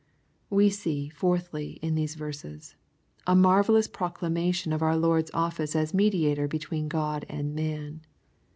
We see, fourthly, in these verses, a marvellous pro clamation of our Lord'a office as Mediator between God and man.